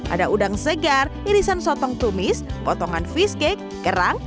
ada udang segar irisan sotong tumis potongan fish cake kerang